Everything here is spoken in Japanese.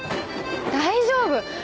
大丈夫！